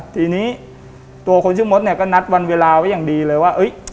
ทีนี้ตัวคนชื่อมดเนี่ยก็นัดวันเวลาไว้อย่างดีเลยว่า